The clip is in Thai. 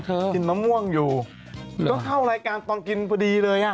กินมะม่วงอยู่ก็เข้ารายการตอนกินพอดีเลยอ่ะ